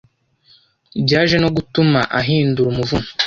byaje no gutuma ahindura umuvuno